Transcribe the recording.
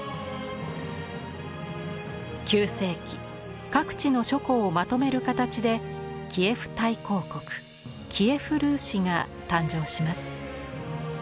９世紀各地の諸公をまとめる形でキエフ大公国キエフ・ルーシが誕生します。